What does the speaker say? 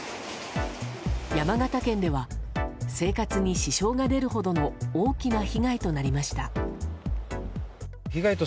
山形県では生活に支障が出るほどの大きな被害となりました。